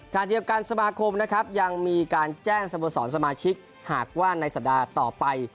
ขณะเดียวกันสมาคมนะครับยังมีการแจ้งสโมสรสมาชิกหากว่าในสัปดาห์ต่อไป